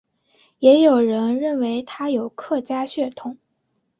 也有人认为他有客家血统。